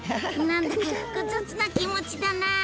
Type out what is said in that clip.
何だか複雑な気持ちだなあ。